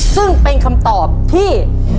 ซึ่งเป็นคำตอบที่